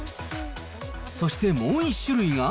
そしてもう１種類が。